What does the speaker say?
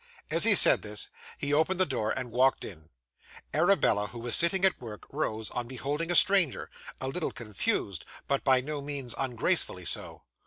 As he said this, he opened the door and walked in. Arabella, who was sitting at work, rose on beholding a stranger a little confused but by no means ungracefully so.